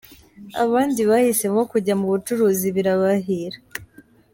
Abandi bahisemo kujya mu bucuruzi birabahira.